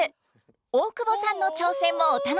大久保さんの挑戦もお楽しみに！